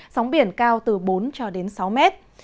sóng biển cao từ bốn cho đến sáu mét